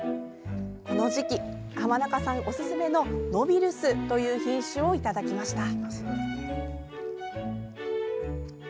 この時期、濱中さんおすすめのノビルスという品種をいただきました。